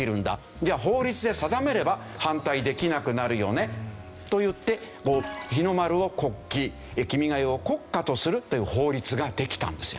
じゃあ法律で定めれば反対できなくなるよねと言って日の丸を国旗『君が代』を国歌とするという法律ができたんですよ。